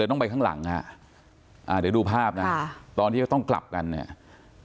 ต้องไปข้างหลังฮะอ่าเดี๋ยวดูภาพนะตอนที่เขาต้องกลับกันเนี่ย